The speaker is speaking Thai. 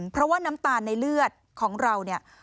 เพราะว่าน้ำตาลในเลือดของเราเนี่ย